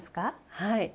はい。